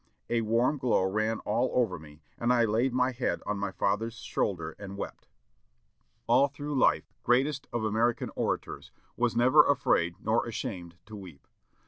A warm glow ran all over me, and I laid my head on my father's shoulder and wept." All through life, Mr. Webster, greatest of American orators, was never afraid nor ashamed to weep.